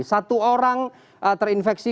satu orang terinfeksi